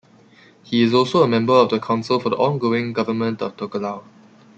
He is also a member of the Council for the Ongoing Government of Tokelau.